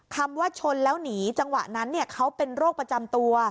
คำว่าชนแล้วหนีจังหวะนั้นเขาเป็นโรคประจำตัว